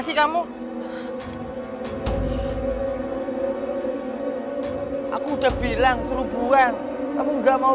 sih kamu aku udah bilang suruh buat kamu enggak mau